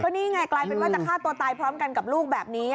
นี่ไงกลายเป็นว่าจะฆ่าตัวตายพร้อมกันกับลูกแบบนี้